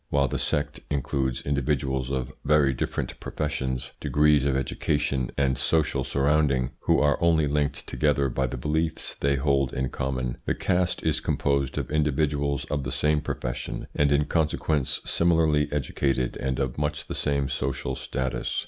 While the sect includes individuals of very different professions, degrees of education and social surrounding, who are only linked together by the beliefs they hold in common, the caste is composed of individuals of the same profession, and in consequence similarly educated and of much the same social status.